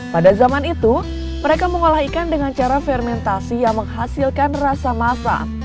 pada zaman itu mereka mengolah ikan dengan cara fermentasi yang menghasilkan rasa masak